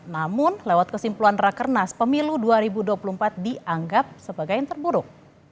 namun lewat kesimpulan rakernas pemilu dua ribu dua puluh empat dianggap sebagai yang terburuk